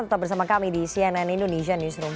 tetap bersama kami di cnn indonesia newsroom